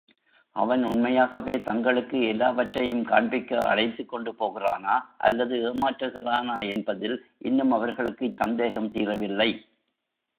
அவன் உண்மையாகவே தங்களுக்கு எல்லாவற்றையும் காண்பிக்க அழைத்துக்கொண்டு போகிறானா அல்லது ஏமாற்றுகிறானா என்பதில் இன்னும் அவர்களுக்குச் சந்தேகம் தீரவில்லை.